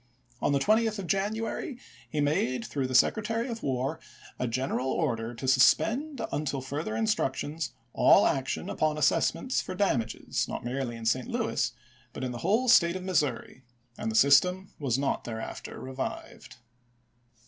On the 20th of January he made, through the Secretary of War, a general order to suspend until further instructions all action upon assessments for damages, not merely in St. Louis, but in the whole State of Missouri, and the system was not thereafter revived.